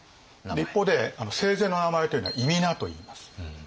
一方で生前の名前というのは諱といいます。